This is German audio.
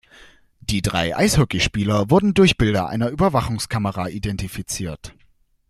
Die drei Eishockeyspieler wurde durch Bilder einer Überwachungskamera identifiziert.